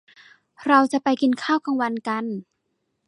เราจะไปกินข้าวกลางวันกัน